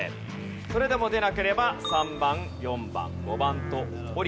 それでも出なければ３番４番５番と下りていきます。